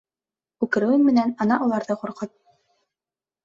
Үкереүең менән ана уларҙы ҡурҡыт!